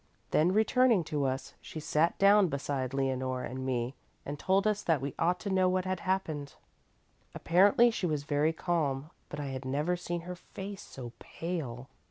Then returning to us, she sat down beside Leonore and me and told us that we ought to know what had happened. Apparently she was very calm, but I had never seen her face so pale.